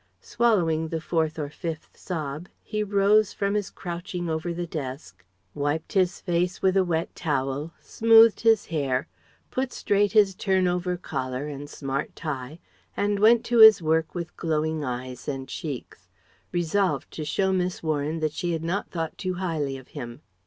Swallowing the fourth or fifth sob, he rose from his crouching over the desk, wiped his face with a wet towel, smoothed his hair, put straight his turn over collar and smart tie, and went to his work with glowing eyes and cheeks; resolved to show Miss Warren that she had not thought too highly of him.